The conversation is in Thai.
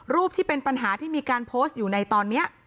ที่เป็นปัญหาที่มีการโพสต์อยู่ในตอนนี้